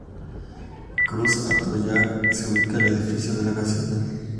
Cruz Atoyac se ubica el edificio delegacional.